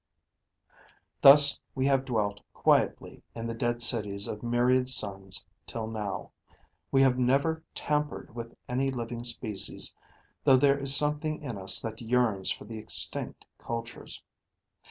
Thus we have dwelt quietly in the dead cities of myriad suns till now. We have never tampered with any living species, though there is something in us that yearns for the extinct cultures.